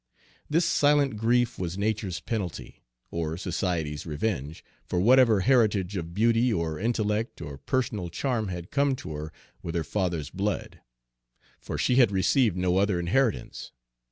This silent grief was nature's penalty, or society's revenge, for whatever heritage of beauty or intellect or personal charm had come to her with her father's blood. For she had received no other inheritance.